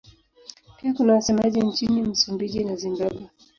Pia kuna wasemaji nchini Msumbiji na Zimbabwe.